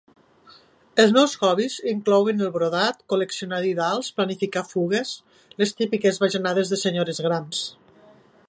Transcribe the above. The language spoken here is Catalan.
Els seus hobbies inclouen el brodat, col·leccionar didals, planificar fugues... les típiques bajanades de les senyores grans.